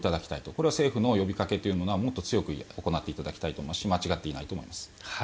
これは政府の呼びかけというのはもっと強くしていただきたいと思いますし間違っていないと思います。